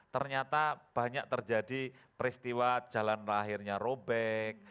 ternyata banyak terjadi peristiwa jalan lahirnya robek